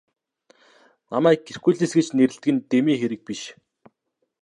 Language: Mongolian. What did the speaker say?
Намайг Геркулес гэж нэрлэдэг нь дэмий хэрэг биш.